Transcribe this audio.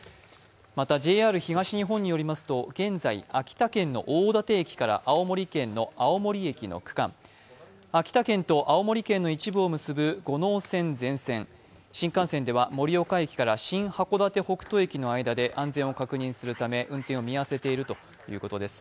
また、ＪＲ東日本によりますと現在、秋田県の大館駅から青森県の青森駅の区間、秋田県と青森県の一部を結ぶ五能線全線、新幹線では盛岡駅から新函館北斗駅の間で安全を確認するため運転を見合わせているということです。